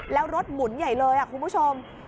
แล้วรถหมุนใหญ่เลยคุณผู้ชม